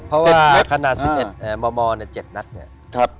เพราะว่าขณะ๑๑มมเนี่ย๗นัทเนี่ย